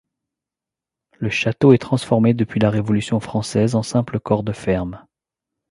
Le château est transformé depuis la Révolution française en simple corps de ferme.